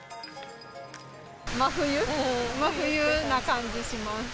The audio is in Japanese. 真冬、真冬な感じします。